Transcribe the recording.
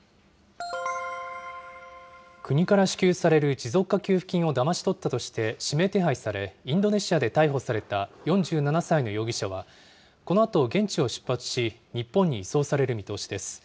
国から支給される持続化給付金をだまし取ったとして指名手配され、インドネシアで逮捕された４７歳の容疑者は、このあと現地を出発し、日本に移送される見通しです。